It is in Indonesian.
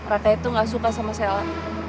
raka itu gak suka sama sel